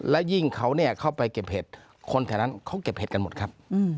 และยิ่งเขาเนี่ยเข้าไปเก็บเห็ดคนแถวนั้นเขาเก็บเห็ดกันหมดครับ